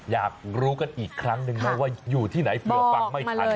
อยากรู้กันอีกครั้งอีกคลั้งหนึ่งแม้ว่าอยู่ที่ไหนหรือบำไม่คัน